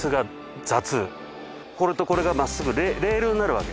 これとこれがまっすぐレールになるわけ。